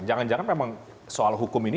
jangan jangan memang soal hukum ini